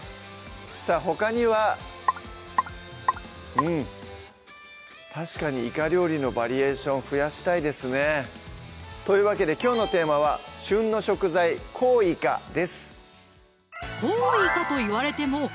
さぁほかにはうん確かにイカ料理のバリエーション増やしたいですねというわけできょうのテーマは「旬の食材！コウイカ」です